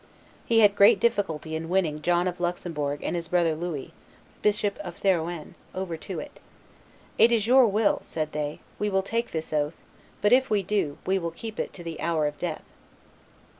He had great difficulty in winning John of Luxembourg and his brother Louis, Bishop of Therouenne, over to it. "It is your will," said they; "we will take this oath; but if we do, we will keep it to the hour of death."